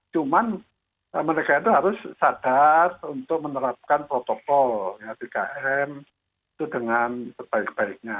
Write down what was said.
cuma mereka itu harus sadar untuk menerapkan protokol bkm itu dengan sebaik baiknya